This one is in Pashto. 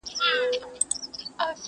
موږ پخپله یو له حل څخه بېزاره،